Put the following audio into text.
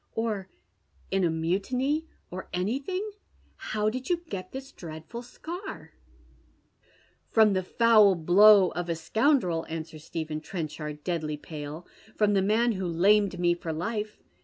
" Or in a^mutiny — or anything ? How did you get this dread ful scar ?"" From the foul blow of a scoundrel," answers Stephen Tren ehard, deadly pale. " From the man who lamed me for life.